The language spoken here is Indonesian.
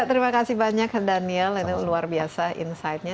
terima kasih banyak daniel ini luar biasa insightnya